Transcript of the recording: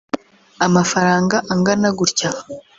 amafaranga angana gutya